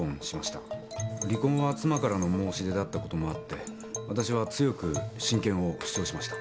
離婚は妻からの申し出だったこともあってわたしは強く親権を主張しました。